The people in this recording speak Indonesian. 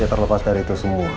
terlepas dari itu semua